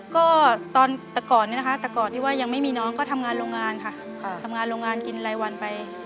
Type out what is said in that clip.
ก็ตอนอย่างที่ยังไม่มีน้องก็ทำงานโรงงานค่ะทำงานโรงงานกินไลวันไป